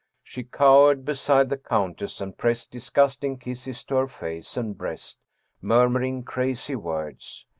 She cowered be side the countess and pressed disgusting kisses to her face and breast, murmuring crazy words.